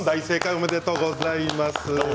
おめでとうございます。